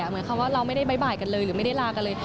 เหมือนคำว่าเราไม่ได้บ๊ายบายกันเลยหรือไม่ได้ลากันเลย